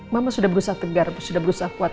mama sudah berusaha tegar sudah berusaha kuat